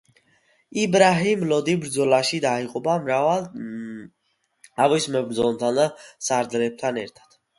იბრაჰიმ ლოდი ბრძოლაში დაიღუპა მრავალ თავის მებრძოლთან და სარდლებთან ერთად.